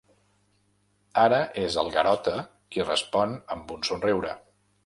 Ara és el Garota qui respon amb un somriure.